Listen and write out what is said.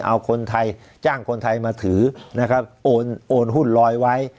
เอาคนไทยจ้างคนไทยมาถือนะครับโอนหุ้นลอยไว้